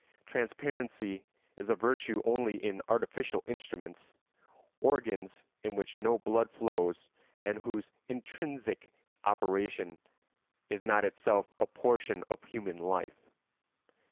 Transparency is a virtue only in artificial instruments, organs in which no blood flows and whose intrinsic operation is not itself a portion of human life.